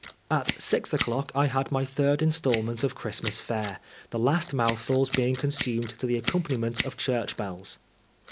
At six o'clock I had my third instalment of Christ ^las fare, the last mouthfuls being consumed to the accompaniment of church bells.